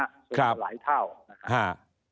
สูงกว่าหลายเท่านะฮะ